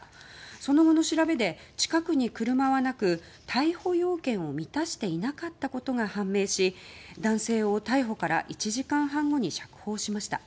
その後の調べで、近くに車はなく逮捕要件を満たしていなかったことが判明し男性を逮捕から１時間半後に釈放しました。